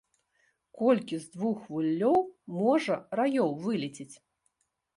Колькі з двух вуллёў можа раёў вылецець?